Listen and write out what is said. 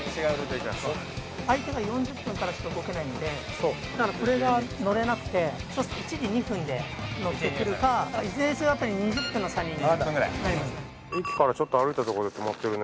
相手が４０分からしか動けないんでだからこれが乗れなくてそうすると１時２分で乗ってくるかいずれにせよ２０分の差に。